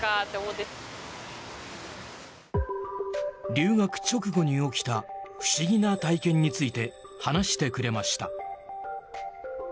留学直後に起きた不思議な体験について話してくれました。